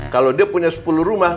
kalau dia punya sepuluh rumah